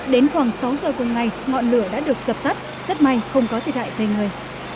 đến khoảng sáu giờ cùng ngày ngọn lửa đã được dập tắt rất may không có thiệt hại về người